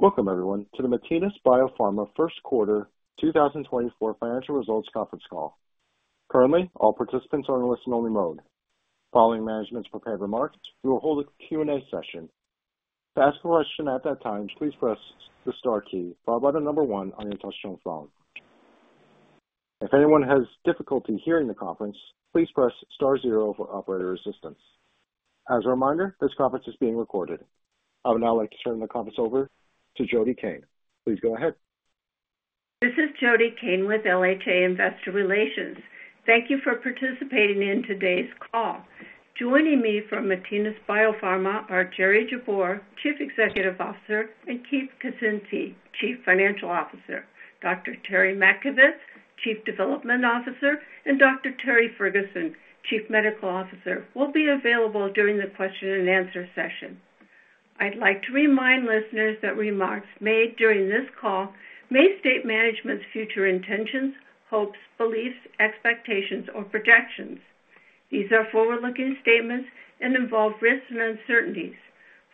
Welcome, everyone, to the Matinas BioPharma First Quarter 2024 Financial Results Conference Call. Currently, all participants are in listen-only mode. Following management's prepared remarks, we will hold a Q&A session. To ask a question at that time, please press the star key, followed by the number one on your touchscreen phone. If anyone has difficulty hearing the conference, please press star 0 for operator assistance. As a reminder, this conference is being recorded. I would now like to turn the conference over to Jody Cain. Please go ahead. This is Jody Cain with LHA Investor Relations. Thank you for participating in today's call. Joining me from Matinas BioPharma are Jerry Jabbour, Chief Executive Officer, and Keith Kucinski, Chief Financial Officer. Dr. Terry Matkovits, Chief Development Officer, and Dr. Terry Ferguson, Chief Medical Officer, will be available during the question-and-answer session. I'd like to remind listeners that remarks made during this call may state management's future intentions, hopes, beliefs, expectations, or projections. These are forward-looking statements and involve risks and uncertainties.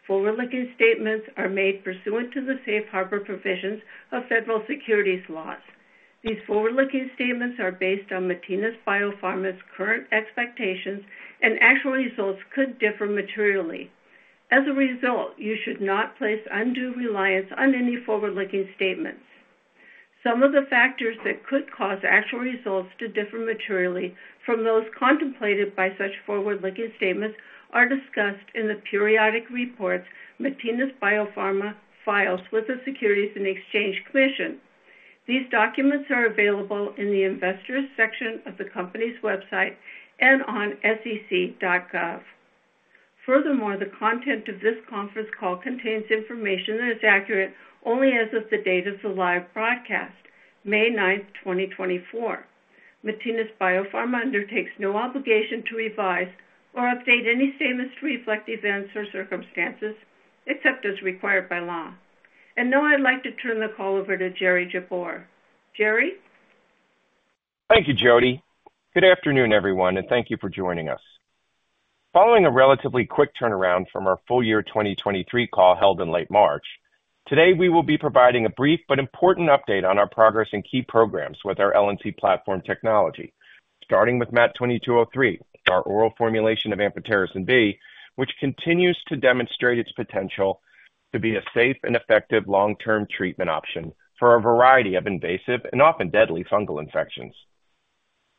Forward-looking statements are made pursuant to the safe harbor provisions of federal securities laws. These forward-looking statements are based on Matinas BioPharma's current expectations, and actual results could differ materially. As a result, you should not place undue reliance on any forward-looking statements. Some of the factors that could cause actual results to differ materially from those contemplated by such forward-looking statements are discussed in the periodic reports Matinas BioPharma files with the Securities and Exchange Commission. These documents are available in the Investors section of the company's website and on sec.gov. Furthermore, the content of this conference call contains information that is accurate only as of the date of the live broadcast, May 9, 2024. Matinas BioPharma undertakes no obligation to revise or update any statements to reflect events or circumstances except as required by law. Now I'd like to turn the call over to Jerry Jabbour. Jerry? Thank you, Jody. Good afternoon, everyone, and thank you for joining us. Following a relatively quick turnaround from our full-year 2023 call held in late March, today we will be providing a brief but important update on our progress in key programs with our LNC platform technology, starting with MAT2203, our oral formulation of amphotericin B, which continues to demonstrate its potential to be a safe and effective long-term treatment option for a variety of invasive and often deadly fungal infections.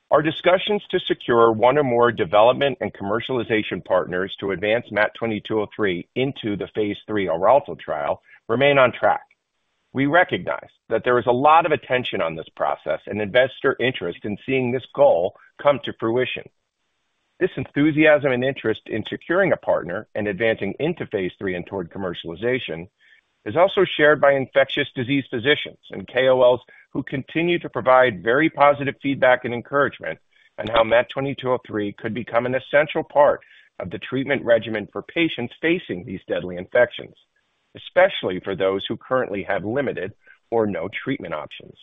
Our discussions to secure one or more development and commercialization partners to advance MAT2203 into the phase III ORALTO trial remain on track. We recognize that there is a lot of attention on this process and investor interest in seeing this goal come to fruition. This enthusiasm and interest in securing a partner and advancing into phase III and toward commercialization is also shared by infectious disease physicians and KOLs who continue to provide very positive feedback and encouragement on how MAT2203 could become an essential part of the treatment regimen for patients facing these deadly infections, especially for those who currently have limited or no treatment options.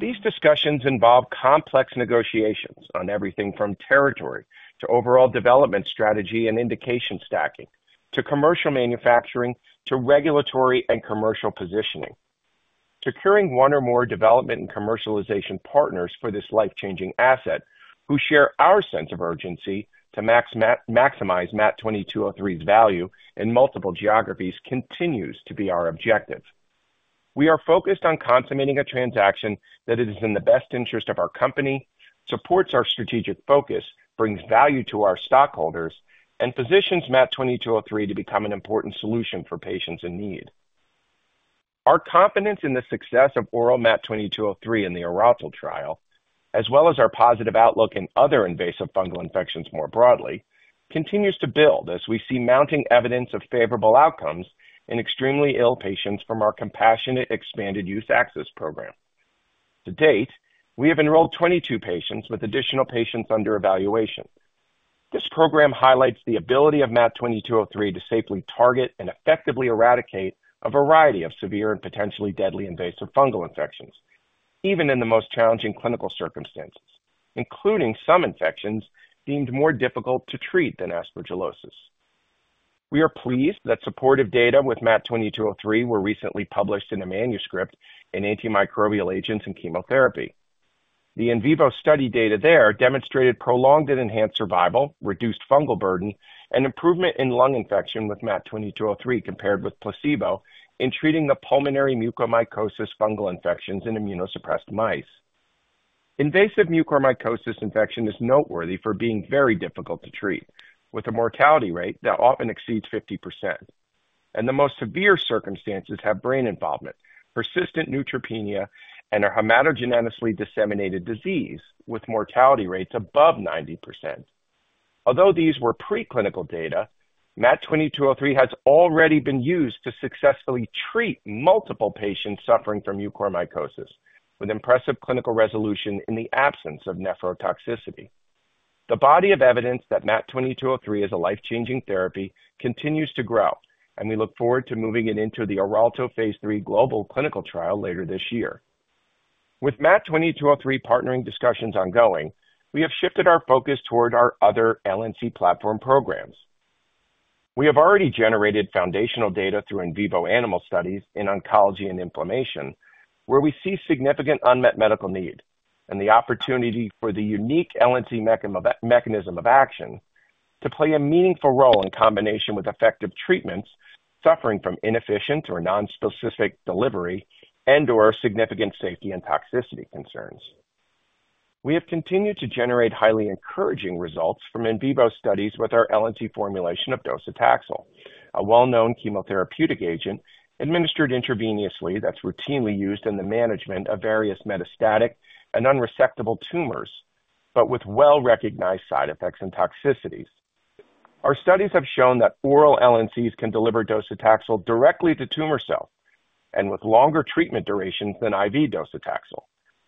These discussions involve complex negotiations on everything from territory to overall development strategy and indication stacking, to commercial manufacturing, to regulatory and commercial positioning. Securing one or more development and commercialization partners for this life-changing asset, who share our sense of urgency to maximize MAT2203's value in multiple geographies, continues to be our objective. We are focused on consummating a transaction that is in the best interest of our company, supports our strategic focus, brings value to our stockholders, and positions MAT2203 to become an important solution for patients in need. Our confidence in the success of oral MAT2203 in the ORALTO trial, as well as our positive outlook in other invasive fungal infections more broadly, continues to build as we see mounting evidence of favorable outcomes in extremely ill patients from our Compassionate Expanded Use Access Program. To date, we have enrolled 22 patients with additional patients under evaluation. This program highlights the ability of MAT2203 to safely target and effectively eradicate a variety of severe and potentially deadly invasive fungal infections, even in the most challenging clinical circumstances, including some infections deemed more difficult to treat than aspergillosis. We are pleased that supportive data with MAT2203 were recently published in a manuscript in Antimicrobial Agents and Chemotherapy. The in vivo study data there demonstrated prolonged and enhanced survival, reduced fungal burden, and improvement in lung infection with MAT2203 compared with placebo in treating the pulmonary mucormycosis fungal infections in immunosuppressed mice. Invasive mucormycosis infection is noteworthy for being very difficult to treat, with a mortality rate that often exceeds 50%. The most severe circumstances have brain involvement, persistent neutropenia, and a hematogenously disseminated disease with mortality rates above 90%. Although these were preclinical data, MAT2203 has already been used to successfully treat multiple patients suffering from mucormycosis with impressive clinical resolution in the absence of nephrotoxicity. The body of evidence that MAT2203 is a life-changing therapy continues to grow, and we look forward to moving it into the ORALTO phase III global clinical trial later this year. With MAT2203 partnering discussions ongoing, we have shifted our focus toward our other LNC platform programs. We have already generated foundational data through in vivo animal studies in oncology and inflammation, where we see significant unmet medical need and the opportunity for the unique LNC mechanism of action to play a meaningful role in combination with effective treatments suffering from inefficient or nonspecific delivery and/or significant safety and toxicity concerns. We have continued to generate highly encouraging results from in vivo studies with our LNC formulation of docetaxel, a well-known chemotherapeutic agent administered intravenously that's routinely used in the management of various metastatic and unresectable tumors, but with well-recognized side effects and toxicities. Our studies have shown that oral LNCs can deliver docetaxel directly to tumor cells and with longer treatment durations than IV docetaxel,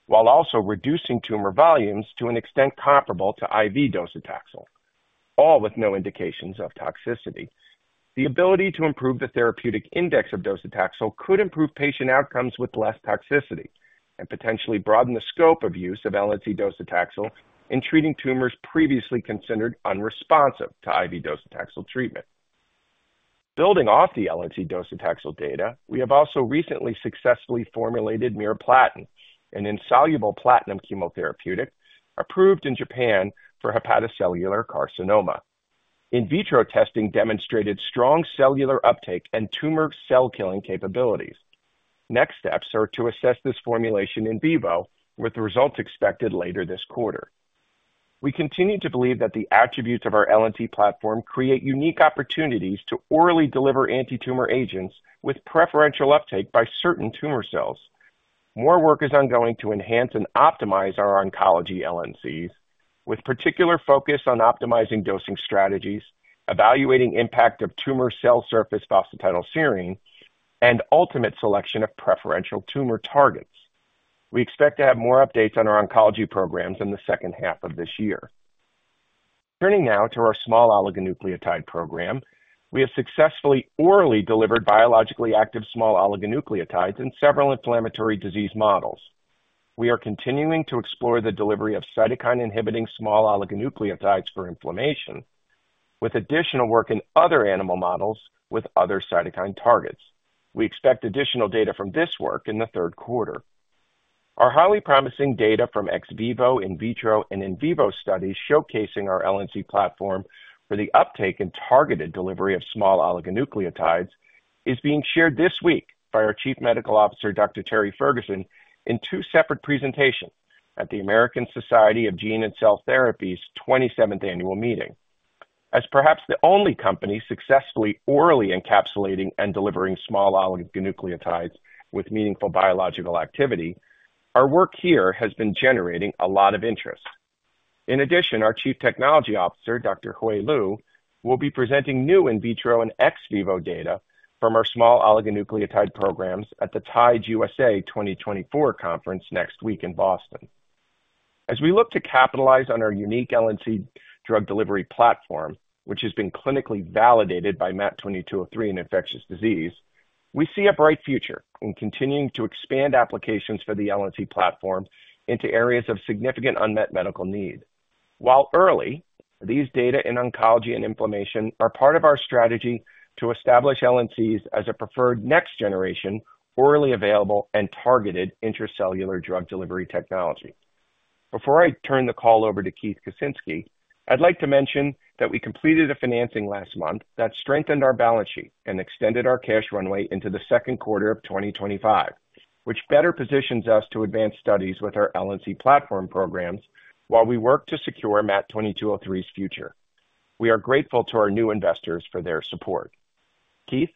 while also reducing tumor volumes to an extent comparable to IV docetaxel, all with no indications of toxicity. The ability to improve the therapeutic index of docetaxel could improve patient outcomes with less toxicity and potentially broaden the scope of use of LNC docetaxel in treating tumors previously considered unresponsive to IV docetaxel treatment. Building off the LNC docetaxel data, we have also recently successfully formulated miriplatin, an insoluble platinum chemotherapeutic approved in Japan for hepatocellular carcinoma. In vitro testing demonstrated strong cellular uptake and tumor cell-killing capabilities. Next steps are to assess this formulation in vivo, with results expected later this quarter. We continue to believe that the attributes of our LNC platform create unique opportunities to orally deliver antitumor agents with preferential uptake by certain tumor cells. More work is ongoing to enhance and optimize our oncology LNCs, with particular focus on optimizing dosing strategies, evaluating the impact of tumor cell surface phosphatidylserine, and ultimate selection of preferential tumor targets. We expect to have more updates on our oncology programs in the second half of this year. Turning now to our small oligonucleotide program, we have successfully orally delivered biologically active small oligonucleotides in several inflammatory disease models. We are continuing to explore the delivery of cytokine-inhibiting small oligonucleotides for inflammation, with additional work in other animal models with other cytokine targets. We expect additional data from this work in the third quarter. Our highly promising data from ex vivo, in vitro, and in vivo studies showcasing our LNC platform for the uptake and targeted delivery of small oligonucleotides is being shared this week by our Chief Medical Officer, Dr. Terry Ferguson, in two separate presentations at the American Society of Gene and Cell Therapy's 27th annual meeting. As perhaps the only company successfully orally encapsulating and delivering small oligonucleotides with meaningful biological activity, our work here has been generating a lot of interest. In addition, our Chief Technology Officer, Dr. Hui Liu, will be presenting new in vitro and ex vivo data from our small oligonucleotide programs at the TIDES USA 2024 conference next week in Boston. As we look to capitalize on our unique LNC drug delivery platform, which has been clinically validated by MAT-2203 in infectious disease, we see a bright future in continuing to expand applications for the LNC platform into areas of significant unmet medical need. While early, these data in oncology and inflammation are part of our strategy to establish LNCs as a preferred next-generation, orally available, and targeted intracellular drug delivery technology. Before I turn the call over to Keith Kucinski, I'd like to mention that we completed a financing last month that strengthened our balance sheet and extended our cash runway into the second quarter of 2025, which better positions us to advance studies with our LNC platform programs while we work to secure MAT-2203's future. We are grateful to our new investors for their support. Keith?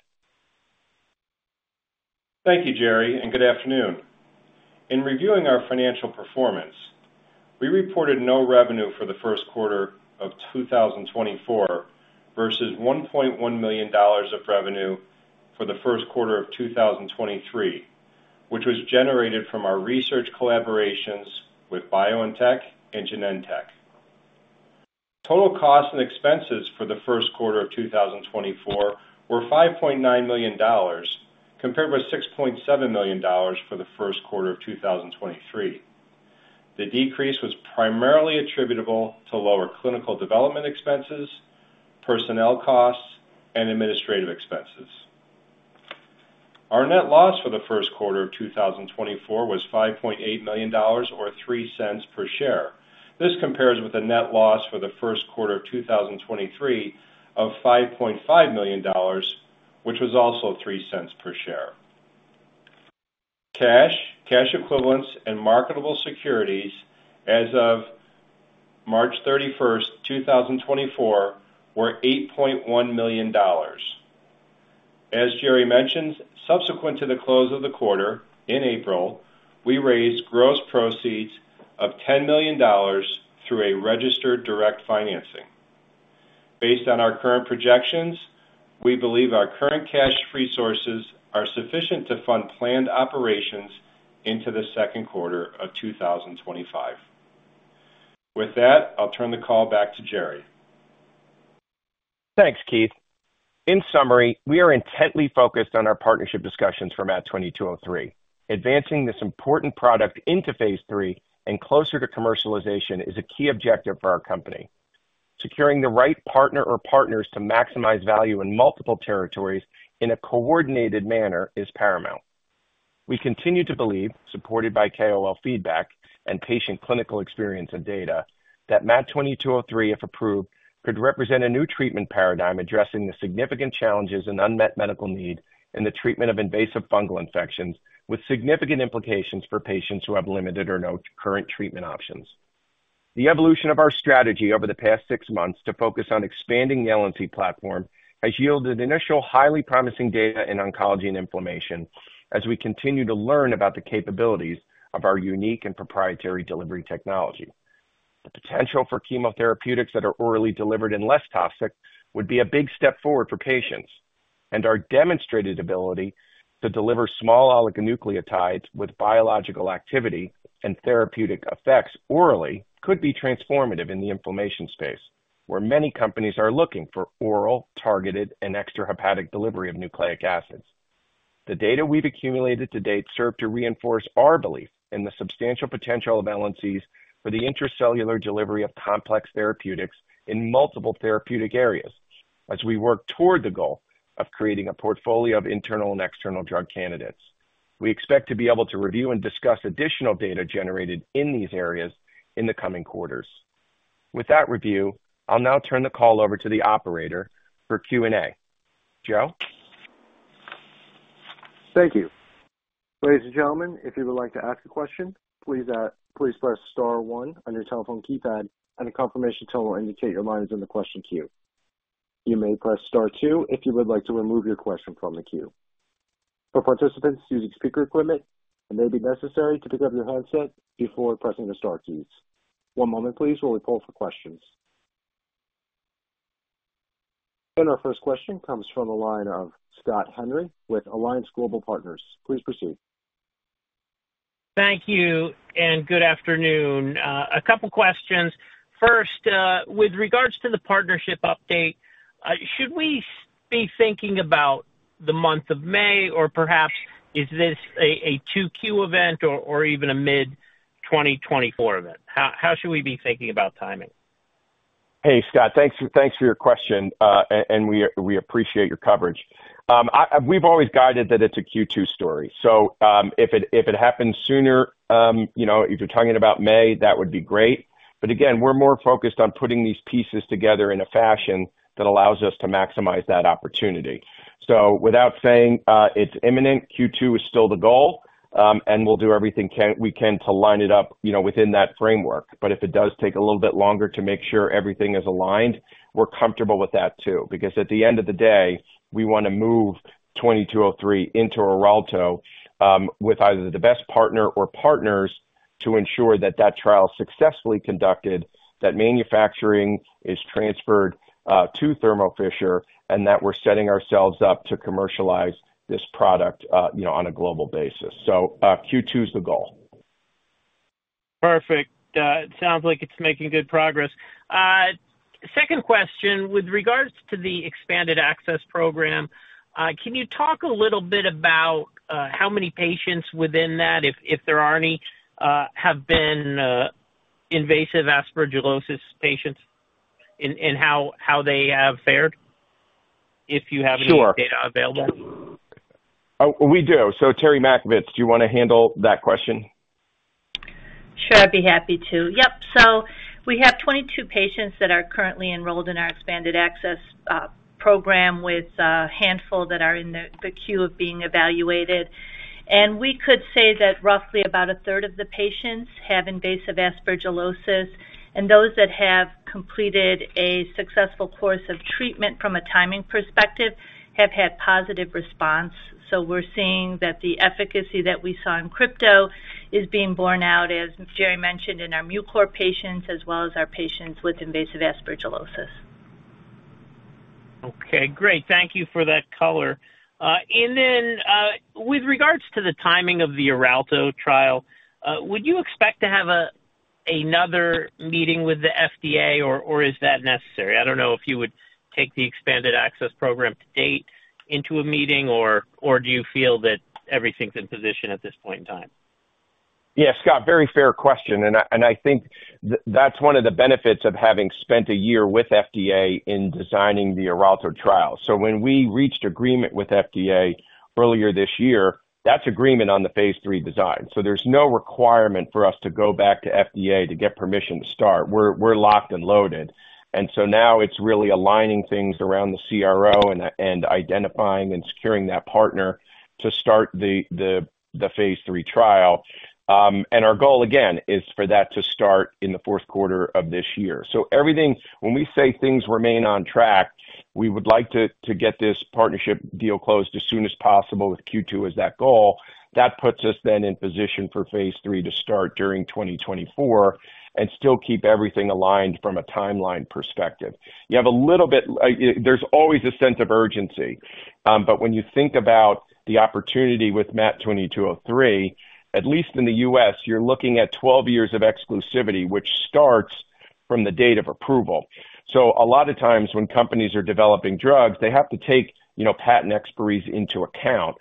Thank you, Jerry, and good afternoon. In reviewing our financial performance, we reported no revenue for the first quarter of 2024 versus $1.1 million of revenue for the first quarter of 2023, which was generated from our research collaborations with BioNTech and Genentech. Total costs and expenses for the first quarter of 2024 were $5.9 million compared with $6.7 million for the first quarter of 2023. The decrease was primarily attributable to lower clinical development expenses, personnel costs, and administrative expenses. Our net loss for the first quarter of 2024 was $5.8 million or $0.03 per share. This compares with a net loss for the first quarter of 2023 of $5.5 million, which was also $0.03 per share. Cash, cash equivalents, and marketable securities as of March 31, 2024, were $8.1 million. As Jerry mentions, subsequent to the close of the quarter in April, we raised gross proceeds of $10 million through a registered direct financing. Based on our current projections, we believe our current cash resources are sufficient to fund planned operations into the second quarter of 2025. With that, I'll turn the call back to Jerry. Thanks, Keith. In summary, we are intently focused on our partnership discussions for MAT2203. Advancing this important product into phase III and closer to commercialization is a key objective for our company. Securing the right partner or partners to maximize value in multiple territories in a coordinated manner is paramount. We continue to believe, supported by KOL feedback and patient clinical experience and data, that MAT2203, if approved, could represent a new treatment paradigm addressing the significant challenges and unmet medical need in the treatment of invasive fungal infections with significant implications for patients who have limited or no current treatment options. The evolution of our strategy over the past six months to focus on expanding the LNC platform has yielded initial highly promising data in oncology and inflammation as we continue to learn about the capabilities of our unique and proprietary delivery technology. The potential for chemotherapeutics that are orally delivered and less toxic would be a big step forward for patients, and our demonstrated ability to deliver small oligonucleotides with biological activity and therapeutic effects orally could be transformative in the inflammation space, where many companies are looking for oral, targeted, and extrahepatic delivery of nucleic acids. The data we've accumulated to date serve to reinforce our belief in the substantial potential of LNCs for the intracellular delivery of complex therapeutics in multiple therapeutic areas as we work toward the goal of creating a portfolio of internal and external drug candidates. We expect to be able to review and discuss additional data generated in these areas in the coming quarters. With that review, I'll now turn the call over to the operator for Q&A. Joe? Thank you. Ladies and gentlemen, if you would like to ask a question, please press star one on your telephone keypad, and the confirmation tone will indicate your line is in the question queue. You may press star two if you would like to remove your question from the queue. For participants using speaker equipment, it may be necessary to pick up your headset before pressing the star keys. One moment, please, while we pull for questions. Our first question comes from the line of Scott Henry with Alliance Global Partners. Please proceed. Thank you, and good afternoon. A couple of questions. First, with regards to the partnership update, should we be thinking about the month of May, or perhaps is this a Q2 event or even a mid-2024 event? How should we be thinking about timing? Hey, Scott, thanks for your question, and we appreciate your coverage. We've always guided that it's a Q2 story. So if it happens sooner, if you're talking about May, that would be great. But again, we're more focused on putting these pieces together in a fashion that allows us to maximize that opportunity. So without saying it's imminent, Q2 is still the goal, and we'll do everything we can to line it up within that framework. But if it does take a little bit longer to make sure everything is aligned, we're comfortable with that too, because at the end of the day, we want to move 2203 into ORALTO with either the best partner or partners to ensure that that trial is successfully conducted, that manufacturing is transferred to Thermo Fisher, and that we're setting ourselves up to commercialize this product on a global basis. So Q2 is the goal. Perfect. It sounds like it's making good progress. Second question, with regards to the expanded access program, can you talk a little bit about how many patients within that, if there are any, have been invasive aspergillosis patients and how they have fared, if you have any data available? Sure. We do. So Terry Matkovits, do you want to handle that question? Sure, I'd be happy to. Yep. So we have 22 patients that are currently enrolled in our expanded access program with a handful that are in the queue of being evaluated. And we could say that roughly about a third of the patients have invasive aspergillosis, and those that have completed a successful course of treatment from a timing perspective have had positive response. So we're seeing that the efficacy that we saw in Crypto is being borne out, as Jerry mentioned, in our Mucor patients as well as our patients with invasive aspergillosis. Okay, great. Thank you for that color. And then with regards to the timing of the ORALTO trial, would you expect to have another meeting with the FDA, or is that necessary? I don't know if you would take the expanded access program to date into a meeting, or do you feel that everything's in position at this point in time? Yeah, Scott, very fair question. I think that's one of the benefits of having spent a year with FDA in designing the ORALTO trial. When we reached agreement with FDA earlier this year, that's agreement on the phase III design. There's no requirement for us to go back to FDA to get permission to start. We're locked and loaded. Now it's really aligning things around the CRO and identifying and securing that partner to start the phase III trial. Our goal, again, is for that to start in the fourth quarter of this year. When we say things remain on track, we would like to get this partnership deal closed as soon as possible with Q2 as that goal. That puts us then in position for phase III to start during 2024 and still keep everything aligned from a timeline perspective. You have a little bit. There's always a sense of urgency. But when you think about the opportunity with MAT2203, at least in the U.S., you're looking at 12 years of exclusivity, which starts from the date of approval. So a lot of times when companies are developing drugs, they have to take patent expiry into account.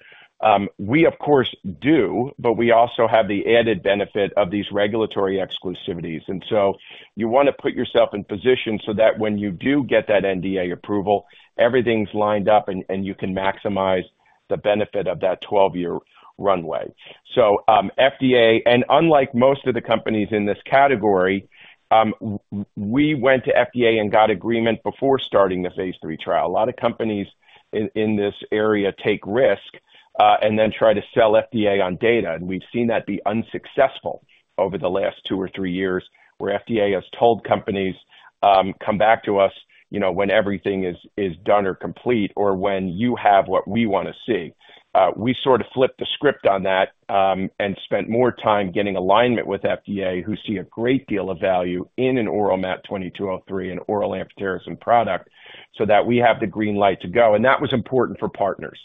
We, of course, do, but we also have the added benefit of these regulatory exclusivities. And so you want to put yourself in position so that when you do get that NDA approval, everything's lined up and you can maximize the benefit of that 12-year runway. So FDA and unlike most of the companies in this category, we went to FDA and got agreement before starting the phase III trial. A lot of companies in this area take risk and then try to sell FDA on data. We've seen that be unsuccessful over the last two or three years where FDA has told companies, "Come back to us when everything is done or complete or when you have what we want to see." We sort of flipped the script on that and spent more time getting alignment with FDA, who see a great deal of value in an oral MAT2203, an oral amphotericin product, so that we have the green light to go. And that was important for partners.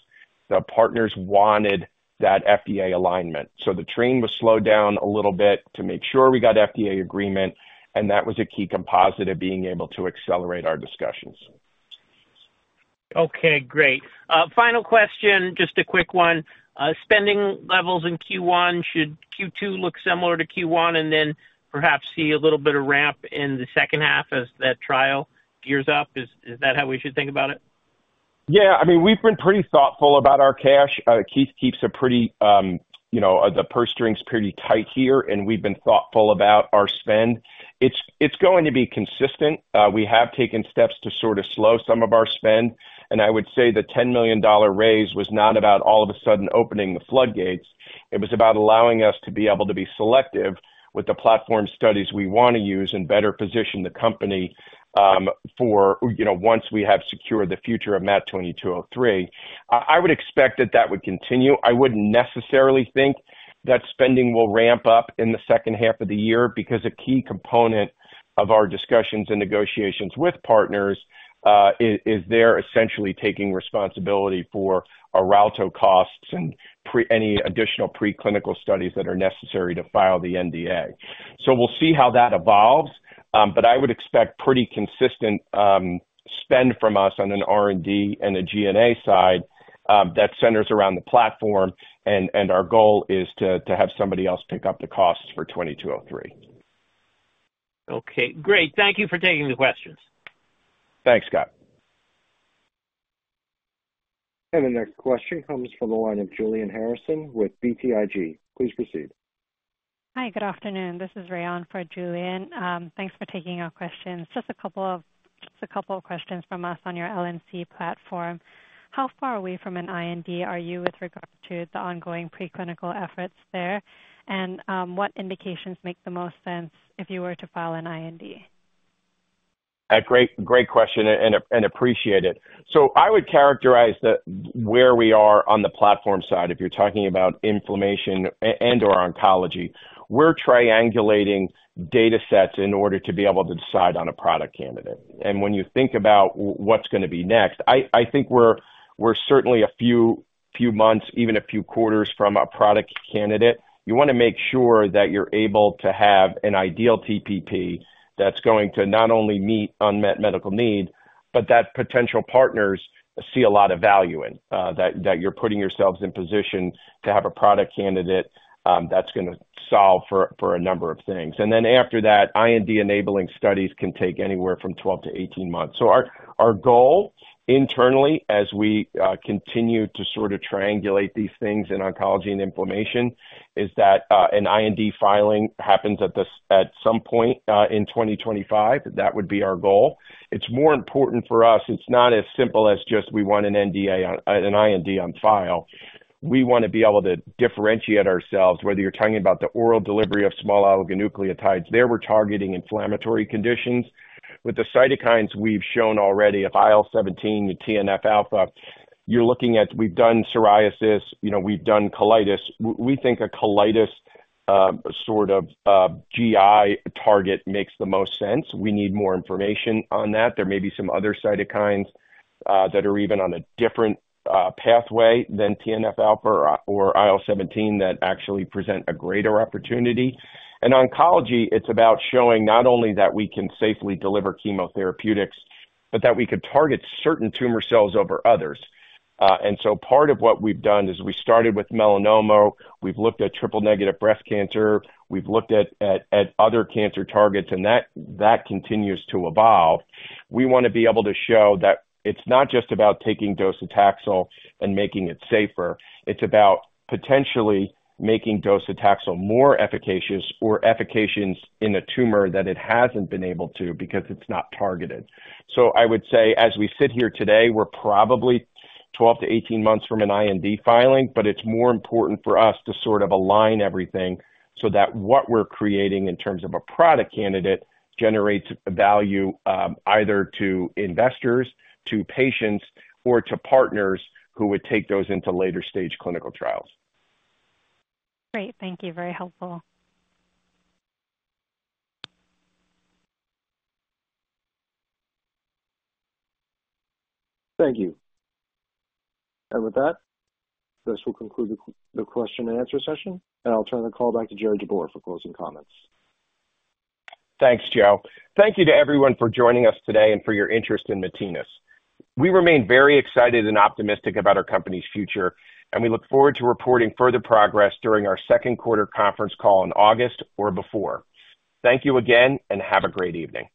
The partners wanted that FDA alignment. So the train was slowed down a little bit to make sure we got FDA agreement, and that was a key component of being able to accelerate our discussions. Okay, great. Final question, just a quick one. Spending levels in Q1, should Q2 look similar to Q1 and then perhaps see a little bit of ramp in the second half as that trial gears up? Is that how we should think about it? Yeah, I mean, we've been pretty thoughtful about our cash. Keith keeps the purse strings pretty tight here, and we've been thoughtful about our spend. It's going to be consistent. We have taken steps to sort of slow some of our spend. And I would say the $10 million raise was not about all of a sudden opening the floodgates. It was about allowing us to be able to be selective with the platform studies we want to use and better position the company for once we have secured the future of MAT2203. I would expect that that would continue. I wouldn't necessarily think that spending will ramp up in the second half of the year because a key component of our discussions and negotiations with partners is they're essentially taking responsibility for ORALTO costs and any additional preclinical studies that are necessary to file the NDA. We'll see how that evolves. I would expect pretty consistent spend from us on an R&D and a G&A side that centers around the platform. Our goal is to have somebody else pick up the costs for 2203. Okay, great. Thank you for taking the questions. Thanks, Scott. The next question comes from the line of Julian Harrison with BTIG. Please proceed. Hi, good afternoon. This is Ryan for Julian. Thanks for taking our questions. Just a couple of questions from us on your LNC platform. How far away from an IND are you with regard to the ongoing preclinical efforts there, and what indications make the most sense if you were to file an IND? Great question and appreciate it. So I would characterize where we are on the platform side. If you're talking about inflammation and/or oncology, we're triangulating datasets in order to be able to decide on a product candidate. And when you think about what's going to be next, I think we're certainly a few months, even a few quarters from a product candidate. You want to make sure that you're able to have an ideal TPP that's going to not only meet unmet medical need, but that potential partners see a lot of value in, that you're putting yourselves in position to have a product candidate that's going to solve for a number of things. And then after that, IND enabling studies can take anywhere from 12-18 months. So our goal internally, as we continue to sort of triangulate these things in oncology and inflammation, is that an IND filing happens at some point in 2025. That would be our goal. It's more important for us. It's not as simple as just we want an IND on file. We want to be able to differentiate ourselves, whether you're talking about the oral delivery of small oligonucleotides. There we're targeting inflammatory conditions. With the cytokines we've shown already, IL-17, TNF-alpha, you're looking at we've done psoriasis. We've done colitis. We think a colitis sort of GI target makes the most sense. We need more information on that. There may be some other cytokines that are even on a different pathway than TNF-alpha or IL-17 that actually present a greater opportunity. In oncology, it's about showing not only that we can safely deliver chemotherapeutics, but that we could target certain tumor cells over others. And so part of what we've done is we started with melanoma. We've looked at triple-negative breast cancer. We've looked at other cancer targets, and that continues to evolve. We want to be able to show that it's not just about taking docetaxel and making it safer. It's about potentially making docetaxel more efficacious or efficacious in a tumor that it hasn't been able to because it's not targeted. I would say as we sit here today, we're probably 12-18 months from an IND filing, but it's more important for us to sort of align everything so that what we're creating in terms of a product candidate generates value either to investors, to patients, or to partners who would take those into later-stage clinical trials. Great. Thank you. Very helpful. Thank you. With that, this will conclude the question-and-answer session. I'll turn the call back to Jerry Jabbour for closing comments. Thanks, Joe. Thank you to everyone for joining us today and for your interest in Matinas. We remain very excited and optimistic about our company's future, and we look forward to reporting further progress during our second-quarter conference call in August or before. Thank you again, and have a great evening.